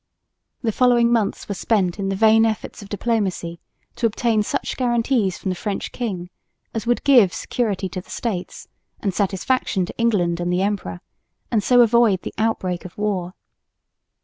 The following months were spent in the vain efforts of diplomacy to obtain such guarantees from the French king as would give security to the States and satisfaction to England and the emperor, and so avoid the outbreak of war.